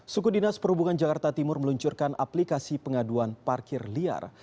suku dinas perhubungan jakarta timur meluncurkan aplikasi pengaduan parkir liar